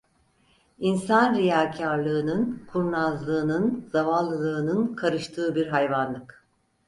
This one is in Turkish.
İnsan riyakârlığının, kurnazlığının, zavallılığının karıştığı bir hayvanlık…